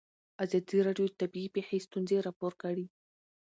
ازادي راډیو د طبیعي پېښې ستونزې راپور کړي.